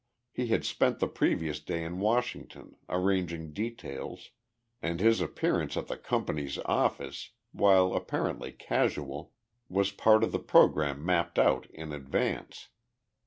He had spent the previous day in Washington, arranging details, and his appearance at the company's office while apparently casual was part of the program mapped out in advance.